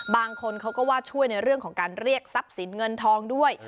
บางคนเขาก็ว่าช่วยในเรื่องของการเรียกทรัพย์สินเงินทองด้วย